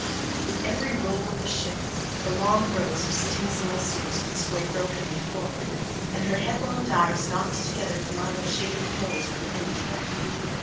With every roll of the ship the long rows of sitting Celestials would sway forward brokenly, and her headlong dives knocked together the line of shaven polls from end to end.